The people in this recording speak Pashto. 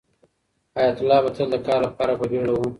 حیات الله به تل د کار لپاره په بیړه و.